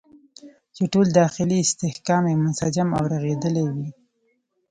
چې ټول داخلي استحکام یې منسجم او رغېدلی وي.